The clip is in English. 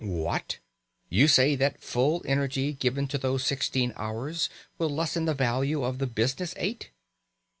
What? You say that full energy given to those sixteen hours will lessen the value of the business eight?